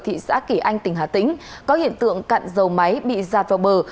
thị xã kỳ anh tỉnh hà tĩnh có hiện tượng cạn dầu máy bị giạt vào bờ